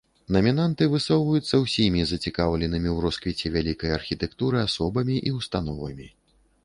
Намінанты высоўваюцца ўсімі зацікаўленымі ў росквіце вялікай архітэктуры асобамі і ўстановамі.